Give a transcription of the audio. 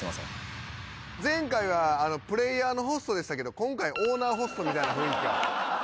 前回はプレイヤーのホストでしたけど今回オーナーホストみたいな雰囲気が。